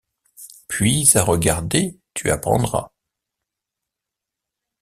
Puis à regarder tu apprendras.